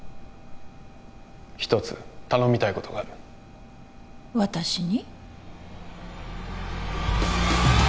一つ頼みたいことがある私に？